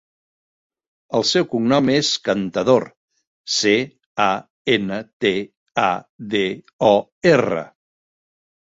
El seu cognom és Cantador: ce, a, ena, te, a, de, o, erra.